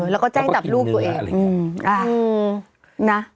แล้วก็แจ้งจับลูกตัวเองนะ